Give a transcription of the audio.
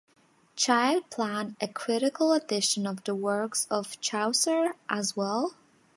Child planned a critical edition of the works of Chaucer, as well.